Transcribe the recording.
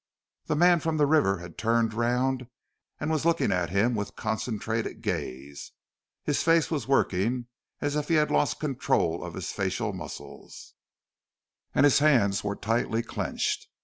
The man from the river had turned round and was looking at him with concentrated gaze. His face was working as if he had lost control of his facial muscles, and his hands were tightly clenched.